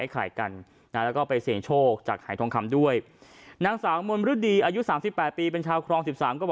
เขาได้อะไรที่จะให้พวกคุณเอาไปฟังครับ